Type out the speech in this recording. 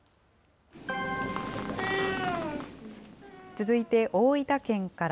続いて大分県から。